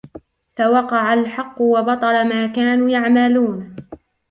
فَوَقَعَ الْحَقُّ وَبَطَلَ مَا كَانُوا يَعْمَلُونَ